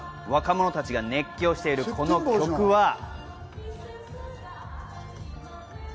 若者たちが熱狂しているこの曲は。